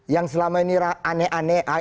yang selama ini aneh aneh